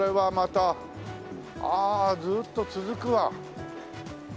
ああずっと続くわ。